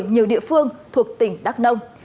nhiều địa phương thuộc tỉnh đắk nông